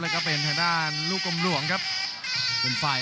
สิบแปดไฟล์เสมอสองไฟล์